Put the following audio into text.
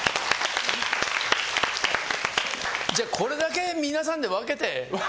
じゃあこれだけ皆さんで分けて。